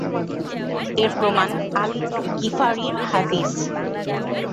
এর প্রমাণ আল-গিফারির হাদিস।